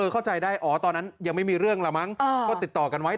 เข้าใจได้อ๋อตอนนั้นยังไม่มีเรื่องละมั้งก็ติดต่อกันไว้